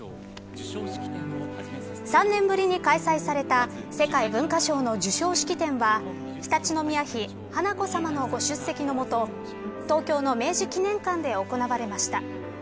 ３年ぶりに開催された世界文化賞の授賞式典は常陸宮妃華子さまがご出席のもと東京の明治記念館で行われました。